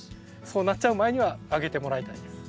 そうなっちゃう前にはあげてもらいたいです。